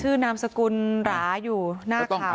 ชื่อนามสกุลหราอยู่หน้าข่าวแบบนี้